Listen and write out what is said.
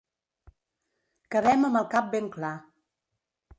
Quedem amb el cap ben clar.